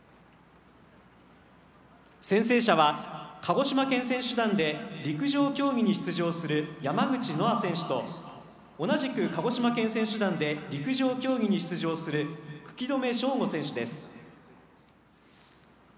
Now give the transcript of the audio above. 宣誓者は、鹿児島県選手団で陸上競技に出場する山口乃愛選手と同じく鹿児島県選手団で陸上競技に出場する久木留清牙選手です。